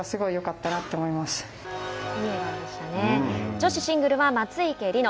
女子シングルは松生理乃。